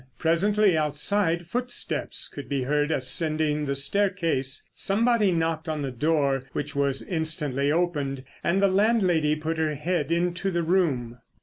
Presently, outside, footsteps could be heard ascending the staircase. Somebody knocked on the door, which was instantly opened, and the landlady put her head into the room.